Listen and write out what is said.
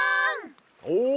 お！